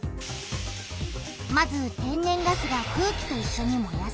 まず天然ガスが空気といっしょに燃やされる。